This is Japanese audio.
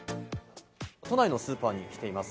都内のスーパーに来ています。